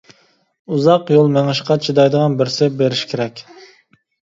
ئۇزاق يول مېڭىشقا چىدايدىغان بىرسى بېرىشى كېرەك.